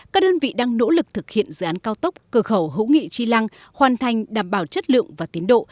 các đơn vị đang nỗ lực thực hiện dự án cao tốc cửa khẩu hữu nghị chi lăng hoàn thành đảm bảo chất lượng và tiến độ